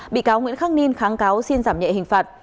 bị cáo nguyễn khắc ninh kháng cáo xin giảm nhẹ hình phạt